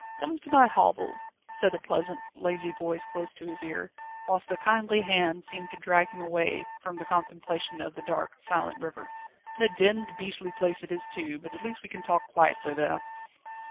"Come to my hovel," said a pleasant, lazy voice close to his ear, whilst a kindly hand seemed to drag him away from the contemplation of the dark, silent river. "And a demmed, beastly place it is too, but at least we can talk quietly there."